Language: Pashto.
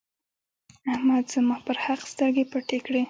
احمد زما پر حق سترګې پټې کړې.